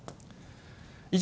以上、